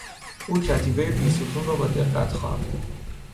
او کتیبهی بیستون را با دقت خواند.